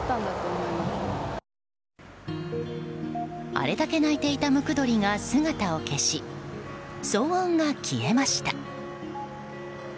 あれだけ鳴いていたムクドリが姿を消し、騒音が消えました。